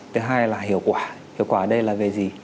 thứ hai là hiệu quả hiệu quả ở đây là về gì